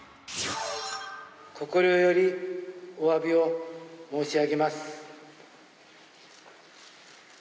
心よりお詫びを申し上げます。